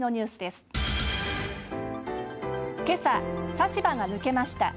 けさ差し歯が抜けました。